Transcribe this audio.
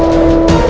aku sudah menang